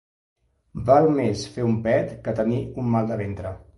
Val més fer un pet que tenir un mal de ventre.